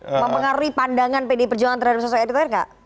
mau pengaruhi pandangan pd perjuangan terhadap sosok erick thayer gak